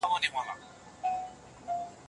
هغه کسان چي د مطالعې عادت لري بریالي دي.